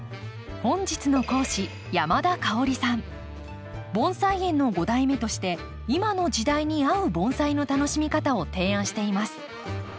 本日の講師盆栽園の５代目として今の時代に合う盆栽の楽しみ方を提案しています。